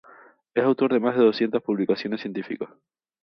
Es autor de más de doscientas publicaciones científicas.